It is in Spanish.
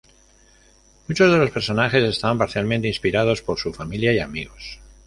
Muchos de los personajes están parcialmente inspirados por su familia y amigos.